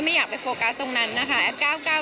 อยากไปโฟกัสตรงนั้นนะคะ